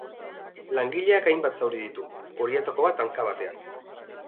Langileak hainbat zauri ditu, horietako bat hanka batean.